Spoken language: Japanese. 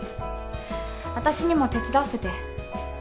私にも手伝わせて。